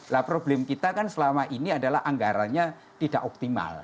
nah problem kita kan selama ini adalah anggarannya tidak optimal